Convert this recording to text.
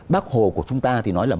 bác hồ của chúng ta thì nói là